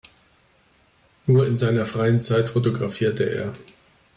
Nur in seiner freien Zeit fotografierte er.